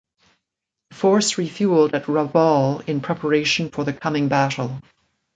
The force refueled at Rabaul in preparation for the coming battle.